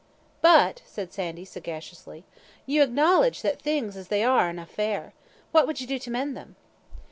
"But," said Sandy, sagaciously, "ye acknowledge that things as they are are na fair. What wad ye do to mend them?"